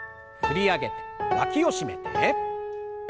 振り上げてわきを締めて。